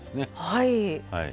はい。